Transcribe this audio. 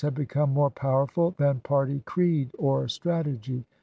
events had become more powerful than party creed or strategy.